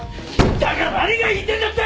だから何が言いたいんだって！